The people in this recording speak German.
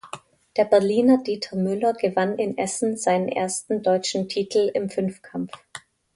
Der Berliner Dieter Müller gewann in Essen seinen ersten deutschen Titel im Fünfkampf.